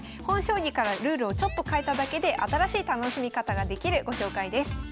本将棋からルールをちょっと変えただけで新しい楽しみ方ができるご紹介です。